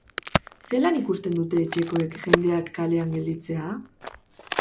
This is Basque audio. Zelan ikusten dute etxekoek jendeak kalean gelditzea?